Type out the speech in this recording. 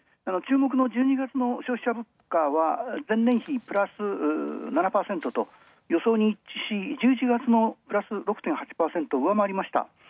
注目の１２月の消費者物価は前年比プラス７％と予想に一致し、１１月のプラス６．８％を上回りました。